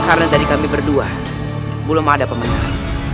karena dari kami berdua belum ada pemenang